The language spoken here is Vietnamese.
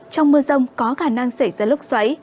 trong mưa rông có khả năng xảy ra lốc xoáy